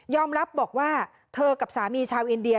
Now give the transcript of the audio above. รับบอกว่าเธอกับสามีชาวอินเดีย